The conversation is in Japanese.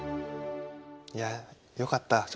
いやよかった。